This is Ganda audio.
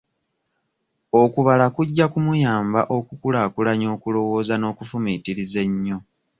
Okubala kujja kumuyamba okukulaakulanya okulowooza n'okufumiitiriza ennyo.